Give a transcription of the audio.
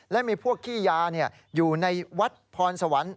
และมีพวกขี้ยาอยู่ในวัดพรสวรรค์